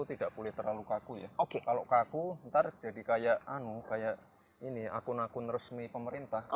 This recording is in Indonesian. tidak boleh terlalu kaku ya oke kalau kaku ntar jadi kayak anu kayak ini akun akun resmi pemerintah